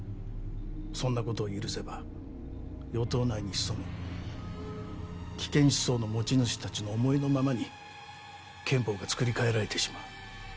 そんな事を許せば与党内に潜む危険思想の持ち主たちの思いのままに憲法が作り替えられてしまう。